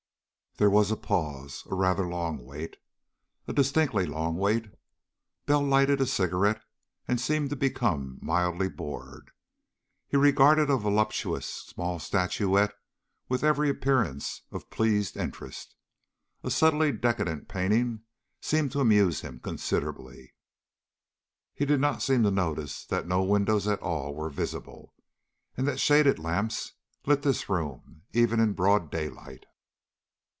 There was a pause. A rather long wait. A distinctly long wait. Bell lighted a cigarette and seemed to become mildly bored. He regarded a voluptuous small statuette with every appearance of pleased interest. A subtly decadent painting seemed to amuse him considerably. He did not seem to notice that no windows at all were visible, and that shaded lamps lit this room, even in broad daylight.